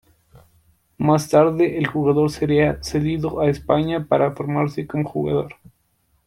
Más tarde, el jugador sería cedido a España para formarse como jugador.